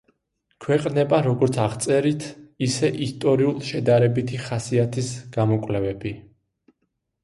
ქვეყნდება როგორც აღწერით, ისე ისტორიულ-შედარებითი ხასიათის გამოკვლევები.